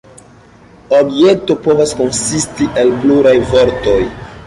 Objekto povas konsisti el pluraj vortoj.